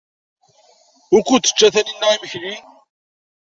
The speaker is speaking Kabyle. Wukud tečča Taninna imekli?